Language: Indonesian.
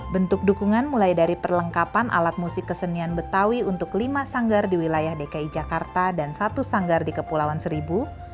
bentuk dukungan mulai dari perlengkapan alat musik kesenian betawi untuk lima sanggar di wilayah dki jakarta dan satu sanggar di kepulauan seribu